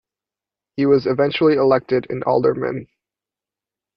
He was eventually elected an Alderman.